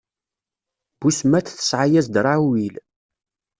Busmat tesɛa-yas-d Raɛuwil.